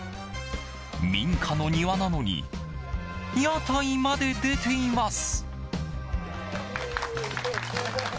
民家の庭なのに屋台まで出ています。